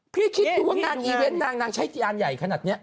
พี่คิดดูว่านางอีเวนต์นางนางใช้จิยานใหญ่ขนาดเนี้ย